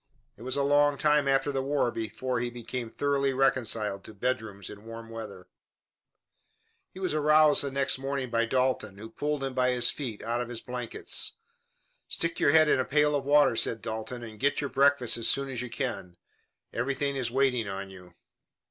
It was a long time after the war before he became thoroughly reconciled to bedrooms in warm weather. He was aroused the next morning by Dalton, who pulled him by his feet out of his blankets. "Stick your head in a pail of water," said Dalton, "and get your breakfast as soon as you can. Everything is waiting on you."